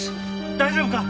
大丈夫か？